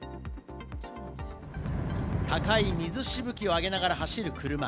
高い水しぶきを上げながら走る車。